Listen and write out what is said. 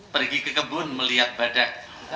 pergi ke kebun melihat badak